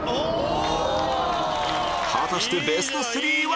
果たしてベスト３は⁉